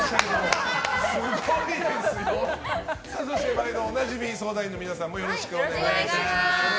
そして毎度おなじみ相談員の皆さんもよろしくお願いいたします。